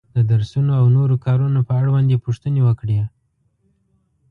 د درسونو او نورو کارونو په اړوند یې پوښتنې وکړې.